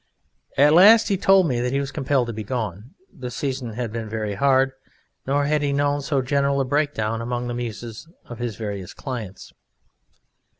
At last he told me that he was compelled to be gone; the season had been very hard, nor had he known so general a breakdown among the Muses of his various clients.